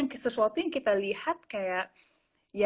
bukan dan ini kan sesuatu yang kita lihat kayak ya